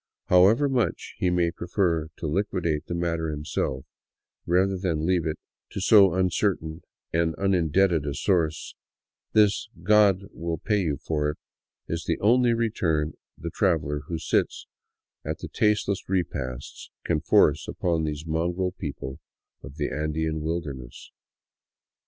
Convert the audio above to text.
However much he may prefer to liquidate the matter himself, rather than to leave it to so uncertain and unindebted a source, this " God will pay you for it,'* is the only return the traveler who sits in at their tasteless repasts can force upon these mongrel people of the Andean wilderness.